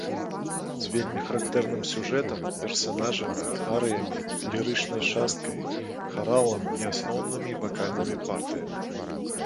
З вельмі характэрным сюжэтам, персанажамі, арыямі, лірычнай часткай, харалам і асноўнымі вакальнымі партыямі.